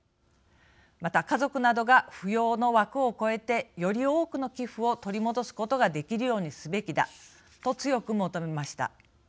また、家族などが扶養の枠を超えてより多くの寄付を取り戻すことができるようにすべきだと強く求めました。